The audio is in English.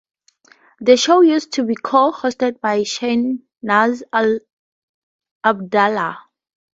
The show used to be co-hosted by Shahnaz Abdallah.